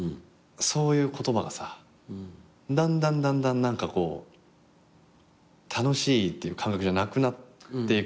そういう言葉がさだんだんだんだん何かこう楽しいっていう感覚じゃなくなっていくんだよね。